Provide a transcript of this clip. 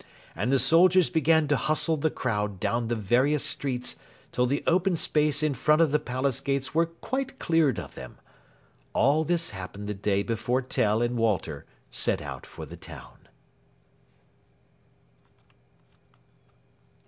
And the soldiers began to hustle the crowd down the various streets till the open space in front of the Palace gates was quite cleared of them. All this happened the day before Tell and Walter set out for the town.